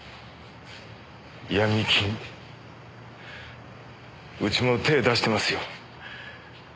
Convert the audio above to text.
ヤミ金うちも手出してますよ。